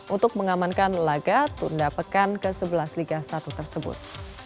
untuk mengamankan laga tunda pekan ke sebelas liga satu tersebut